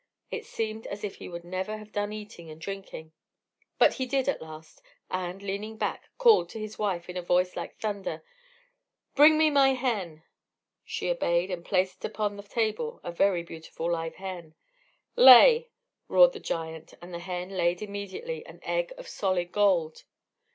It seemed as if he never would have done eating and drinking; but he did at last, and, leaning back, called to his wife in a voice like thunder: "Bring me my hen!" She obeyed, and placed upon the table a very beautiful live hen. "Lay!" roared the giant, and the hen laid immediately an egg of solid gold.